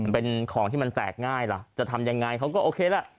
เป็นของที่มันแตกง่ายล่ะจะทำยังไงเขาก็โอเคล่ะ